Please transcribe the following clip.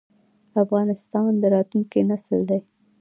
افغانستان د راتلونکي نسل دی